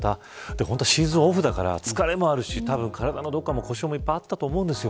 本当は、シーズンオフだから疲れもあるし故障もいっぱいあったと思うんですよ。